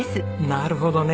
なるほどね。